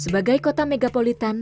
sebagai kota megapolitan